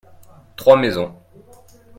trois maisons.